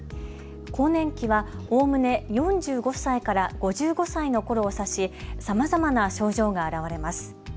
更年期はおおむね４５歳から５５歳のころをさしさまざまな症状が現れます。